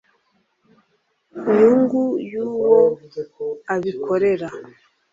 Nyungu y uwo abikorera